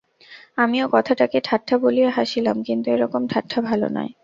আমিও কথাটাকে ঠাট্টা বলিয়া হাসিলাম, কিন্তু এরকম ঠাট্টা ভালো নয়।